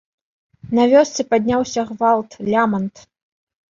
На вёсцы падняўся гвалт, лямант.